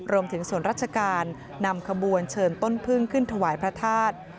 รวมถึงส่วนราชการนำขบวนเชิญต้นพึ่งขึ้นถวายพระธาตุ